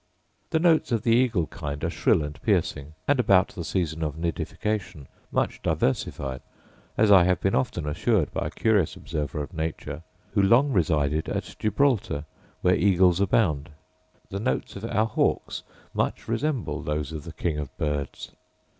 The notes of the eagle kind are shrill and piercing; and about the season of nidification much diversified, as I have been often assured by a curious observer of nature, who long resided at Gibraltar, where eagles abound. The notes of our hawks much resemble those of the king of birds.